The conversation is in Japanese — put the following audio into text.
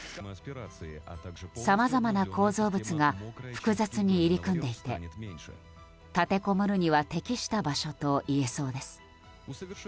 さまざまな構造物が複雑に入り組んでいて立てこもるには適した場所といえそうです。